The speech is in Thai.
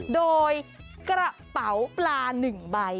โดยกระเป๋าปลา๑ใบ